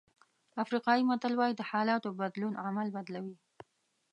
افریقایي متل وایي د حالاتو بدلون عمل بدلوي.